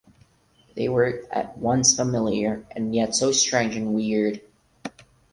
They were at once familiar and yet so strange and weird.